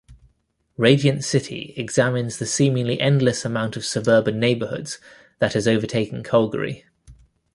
"Radiant City" examines the seemingly endless amount of suburban neighbourhoods that has overtaken Calgary.